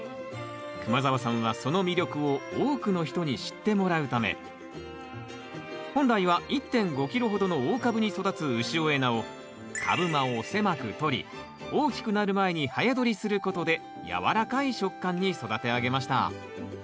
熊澤さんはその魅力を多くの人に知ってもらうため本来は１．５キロほどの大株に育つ潮江菜を株間を狭くとり大きくなる前に早どりすることで軟らかい食感に育て上げました。